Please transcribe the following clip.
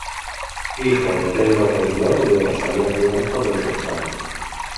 Hijo de Pedro Rendón y de Rosalía Blanco del Rosal.